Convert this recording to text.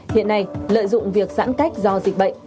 hiện nay lợi dụng việc giãn cách do dịch bệnh